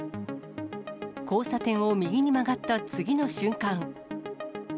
交差点を右に曲がった次の瞬間。